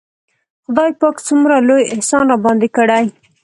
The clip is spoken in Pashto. خداى پاک څومره لوى احسان راباندې کړى.